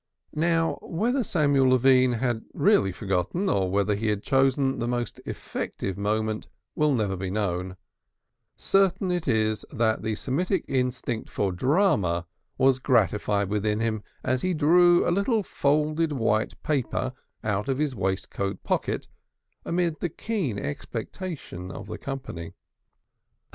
Now, whether Samuel Levine had really forgotten, or whether he had chosen the most effective moment will never be known; certain it is that the Semitic instinct for drama was gratified within him as he drew a little folded white paper out of his waistcoat pocket, amid the keen expectation of the company.